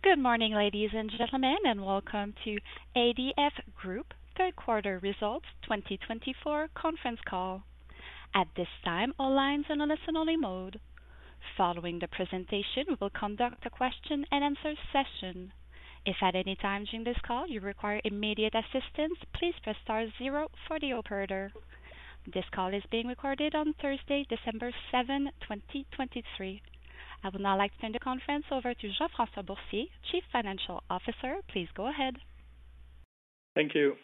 Good morning, ladies and gentlemen, and welcome to ADF Group Third Quarter results 2024 conference call. At this time, all lines on a listen-only mode. Following the presentation, we will conduct a question-and-answer session. If at any time during this call you require immediate assistance, please press star zero for the operator. This call is being recorded on Thursday, December 7th, 2023. I would now like to turn the conference over to Jean-François Boursier, Chief Financial Officer. Please go ahead. Thank you.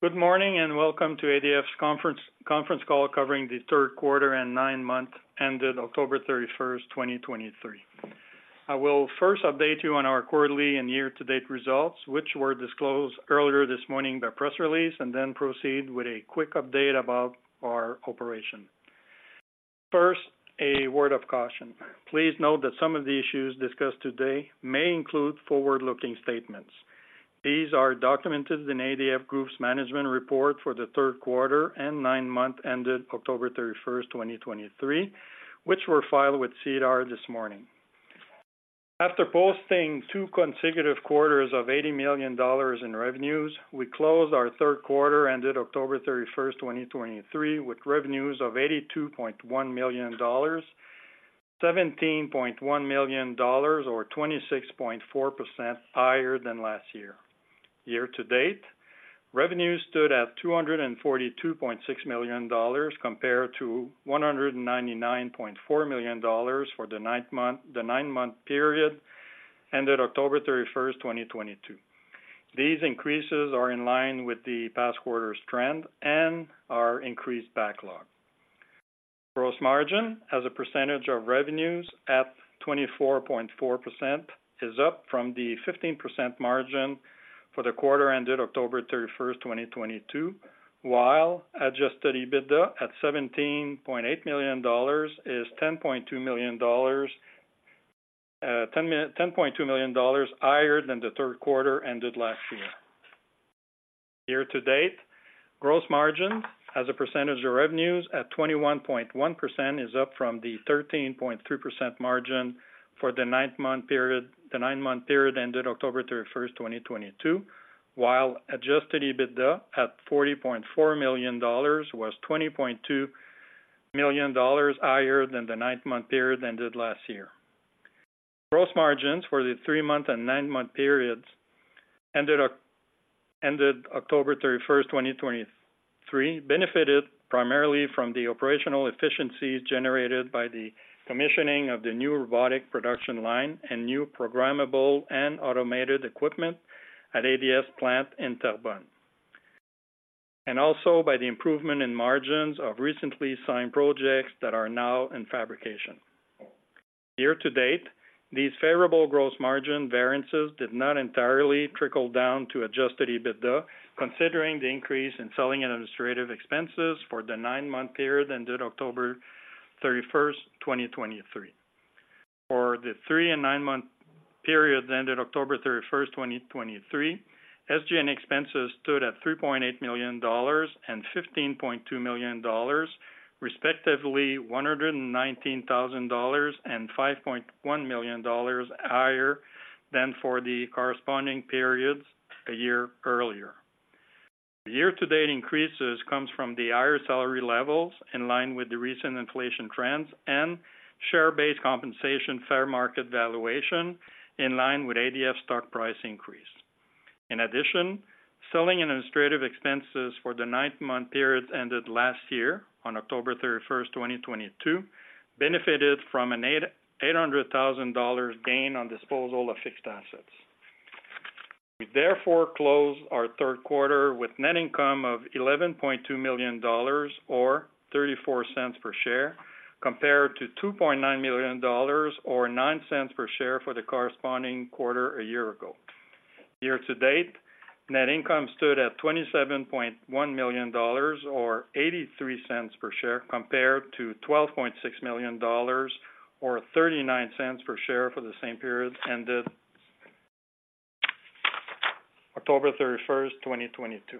Good morning, and welcome to ADF's conference call covering the third quarter and nine months ended October 31st, 2023. I will first update you on our quarterly and year-to-date results, which were disclosed earlier this morning by press release, and then proceed with a quick update about our operation. First, a word of caution. Please note that some of the issues discussed today may include forward-looking statements. These are documented in ADF Group's management report for the third quarter and nine months ended October 31st, 2023, which were filed with SEDAR+ this morning. After posting two consecutive quarters of 80 million dollars in revenues, we closed our third quarter, ended October 31st, 2023, with revenues of 82.1 million dollars, 17.1 million dollars, or 26.4% higher than last year. Year to date, revenues stood at 242.6 million dollars compared to 199.4 million dollars for the nine-month period ended October 31st, 2022. These increases are in line with the past quarter's trend and our increased backlog. Gross margin as a percentage of revenues at 24.4%, is up from the 15% margin for the quarter ended October 31st, 2022, while Adjusted EBITDA at 17.8 million dollars, is 10.2 million dollars higher than the third quarter ended last year. Year to date, gross margin as a percentage of revenues at 21.1% is up from the 13.3% margin for the ninth-month period, the nine-month period ended October 31st, 2022, while Adjusted EBITDA at 40.4 million dollars was 20.2 million dollars higher than the ninth-month period ended last year. Gross margins for the three-month and nine-month periods ended October 31st, 2023, benefited primarily from the operational efficiencies generated by the commissioning of the new robotic production line and new programmable and automated equipment at ADF's plant in Terrebonne, and also by the improvement in margins of recently signed projects that are now in fabrication. Year to date, these favorable gross margin variances did not entirely trickle down to Adjusted EBITDA, considering the increase in selling and administrative expenses for the nine-month period ended October 31st, 2023. For the three- and nine-month periods ended October 31st, 2023, SG&A expenses stood at 3.8 million dollars and 15.2 million dollars, respectively, 119,000 dollars and 5.1 million dollars higher than for the corresponding periods a year earlier. The year-to-date increases comes from the higher salary levels in line with the recent inflation trends and share-based compensation fair market valuation in line with ADF stock price increase. In addition, selling and administrative expenses for the nine-month periods ended last year on October 31st, 2022, benefited from a 888,000 dollars gain on disposal of fixed assets. We therefore closed our third quarter with net income of 11.2 million dollars or 0.34 per share, compared to 2.9 million dollars, or 0.09 per share for the corresponding quarter a year ago. Year to date, net income stood at 27.1 million dollars, or 0.83 per share, compared to 12.6 million dollars, or 0.39 per share for the same period ended October 31, 2022.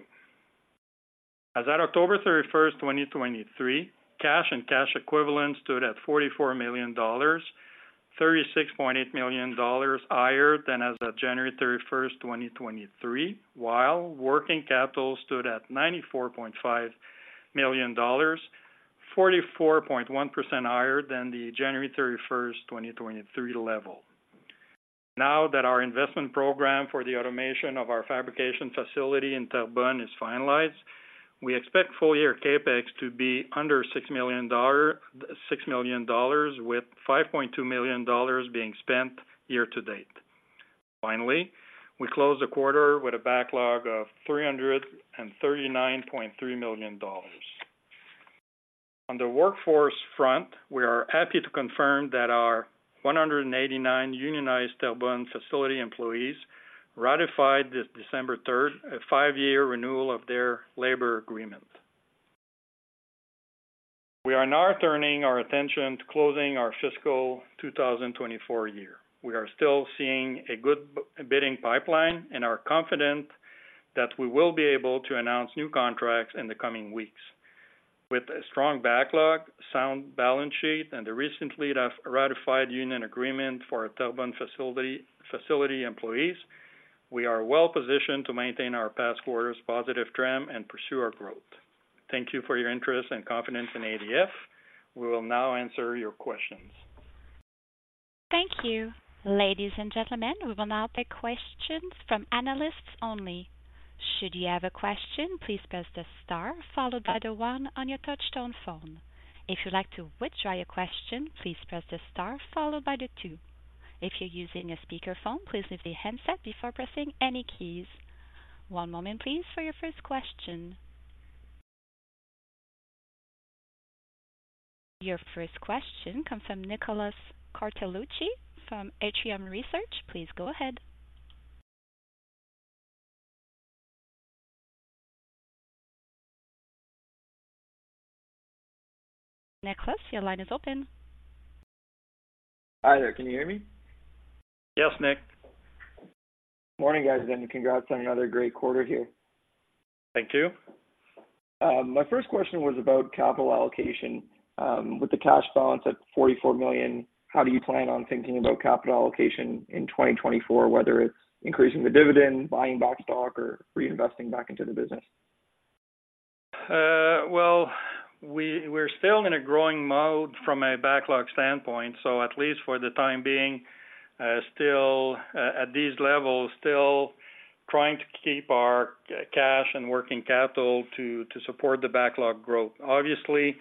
As at October 31st, 2023, cash and cash equivalents stood at 44 million dollars, 36.8 million dollars higher than as at January 31st, 2023, while working capital stood at 94.5 million dollars, 44.1 higher than the January 31st, 2023 level. Now that our investment program for the automation of our fabrication facility in Terrebonne is finalized, we expect full-year CapEx to be under 6 million dollar, 6 million dollars, with 5.2 million dollars being spent year to date. Finally, we closed the quarter with a backlog of 339.3 million dollars. On the workforce front, we are happy to confirm that our 189 unionized Terrebonne facility employees ratified this December 3rd, a five-year renewal of their labor agreement. We are now turning our attention to closing our fiscal 2024 year. We are still seeing a good bidding pipeline and are confident that we will be able to announce new contracts in the coming weeks. With a strong backlog, sound balance sheet, and a recently ratified union agreement for our Terrebonne facility employees, we are well-positioned to maintain our past quarters positive trend and pursue our growth. Thank you for your interest and confidence in ADF. We will now answer your questions. Thank you. Ladies and gentlemen, we will now take questions from analysts only. Should you have a question, please press the star followed by the one on your touch-tone phone. If you'd like to withdraw your question, please press the star followed by the two. If you're using a speakerphone, please lift the handset before pressing any keys. One moment please, for your first question. Your first question comes from Nicholas Cortellucci from Atrium Research. Please go ahead. Nicholas, your line is open. Hi there, can you hear me? Yes, Nick. Morning, guys, and congrats on another great quarter here. Thank you. My first question was about capital allocation. With the cash balance at 44 million, how do you plan on thinking about capital allocation in 2024, whether it's increasing the dividend, buying back stock, or reinvesting back into the business? Well, we're still in a growing mode from a backlog standpoint, so at least for the time being, still at these levels, still trying to keep our cash and working capital to support the backlog growth. Obviously,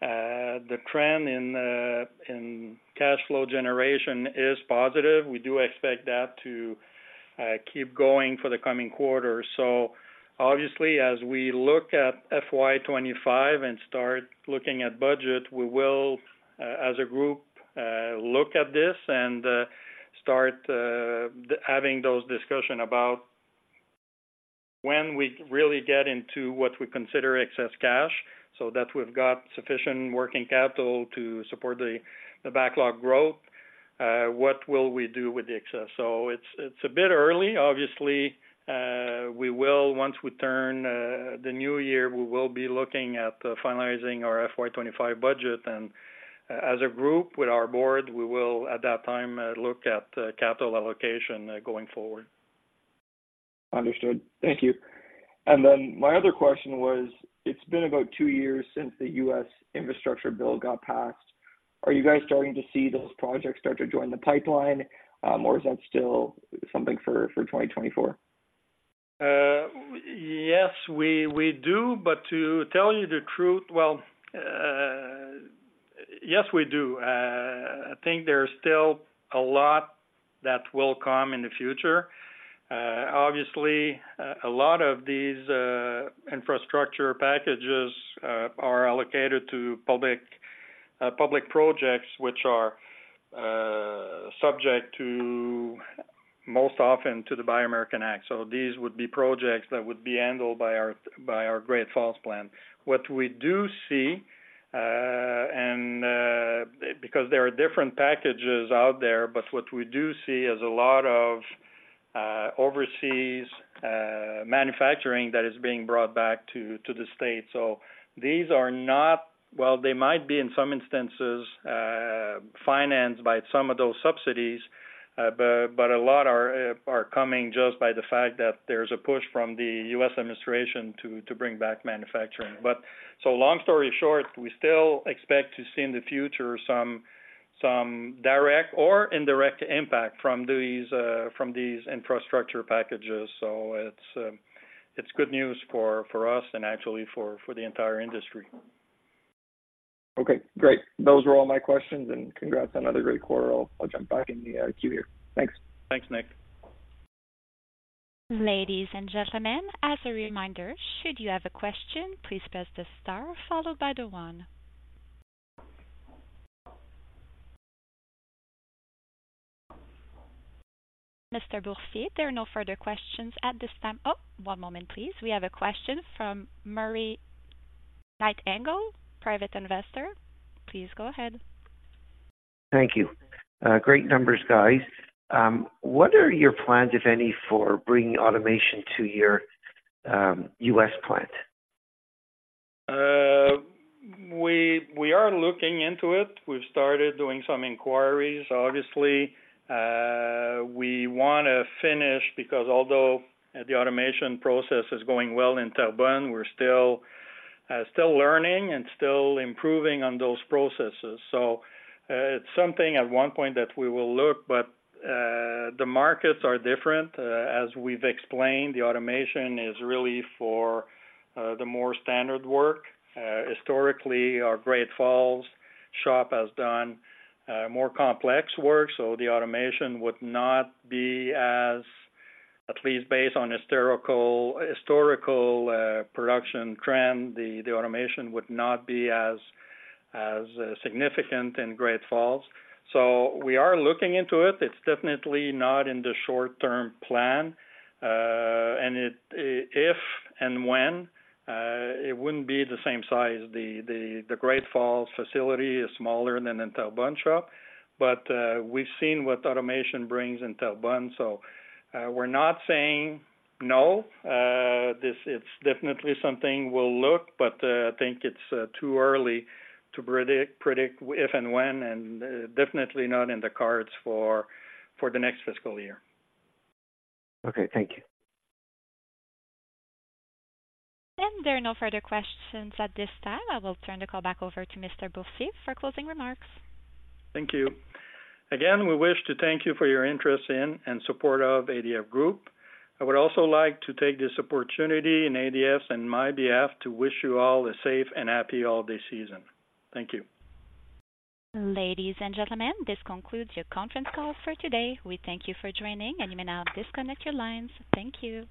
the trend in cash flow generation is positive. We do expect that to keep going for the coming quarter. So obviously, as we look at FY 25 and start looking at budget, we will, as a group, look at this and start having those discussions about when we really get into what we consider excess cash, so that we've got sufficient working capital to support the backlog growth, what will we do with the excess? So it's a bit early. Obviously, we will, once we turn the new year, be looking at finalizing our FY 2025 budget. As a group with our board, we will, at that time, look at capital allocation going forward. Understood. Thank you. And then my other question was: It's been about two years since the U.S. Infrastructure Bill got passed. Are you guys starting to see those projects start to join the pipeline, or is that still something for 2024? Yes, we, we do. But to tell you the truth... Well, yes, we do. I think there is still a lot that will come in the future. Obviously, a lot of these infrastructure packages are allocated to public projects, which are subject to, most often, to the Buy American Act. So these would be projects that would be handled by our Great Falls plant. What we do see and because there are different packages out there, but what we do see is a lot of overseas manufacturing that is being brought back to the States. So these are not—well, they might be, in some instances, financed by some of those subsidies, but a lot are coming just by the fact that there's a push from the U.S. administration to bring back manufacturing. But so long story short, we still expect to see in the future some direct or indirect impact from these infrastructure packages. So it's good news for us and actually for the entire industry. Okay, great. Those were all my questions, and congrats on another great quarter. I'll jump back in the queue here. Thanks. Thanks, Nick. Ladies and gentlemen, as a reminder, should you have a question, please press the star followed by the one. Mr. Boursier, there are no further questions at this time. Oh, one moment, please. We have a question from Murray Knight-Engel, Private Investor. Please go ahead. Thank you. Great numbers, guys. What are your plans, if any, for bringing automation to your U.S. plant? We are looking into it. We've started doing some inquiries. Obviously, we wanna finish, because although the automation process is going well in Terrebonne, we're still learning and still improving on those processes. So, it's something at one point that we will look, but the markets are different. As we've explained, the automation is really for the more standard work. Historically, our Great Falls shop has done more complex work, so the automation would not be as, at least based on historical production trend, the automation would not be as significant in Great Falls. So we are looking into it. It's definitely not in the short-term plan, and if and when it wouldn't be the same size. The Great Falls facility is smaller than the Terrebonne shop, but we've seen what automation brings in Terrebonne, so we're not saying no. This is definitely something we'll look, but I think it's too early to predict if and when, and definitely not in the cards for the next fiscal year. Okay, thank you. There are no further questions at this time. I will turn the call back over to Mr. Boursier for closing remarks. Thank you. Again, we wish to thank you for your interest in and support of ADF Group. I would also like to take this opportunity in ADF's and my behalf to wish you all a safe and happy holiday season. Thank you. Ladies and gentlemen, this concludes your conference call for today. We thank you for joining, and you may now disconnect your lines. Thank you.